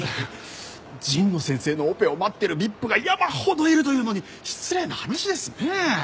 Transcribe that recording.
神野先生のオペを待ってるＶＩＰが山ほどいるというのに失礼な話ですよねえ。